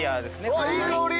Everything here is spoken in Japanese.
うわいい香り。